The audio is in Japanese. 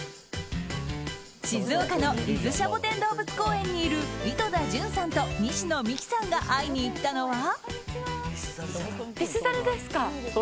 静岡の伊豆シャボテン動物公園にいる井戸田潤さんと西野未姫さんが会いに行ったのは。